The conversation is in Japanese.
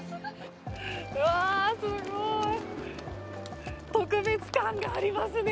すごい特別感がありますね！